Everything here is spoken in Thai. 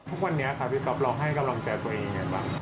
ทุกวันนี้ค่ะพี่ก๊อฟเราให้กำลังใจตัวเองยังไงบ้าง